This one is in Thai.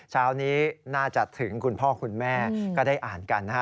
เช้านี้น่าจะถึงคุณพ่อคุณแม่ก็ได้อ่านกันนะฮะ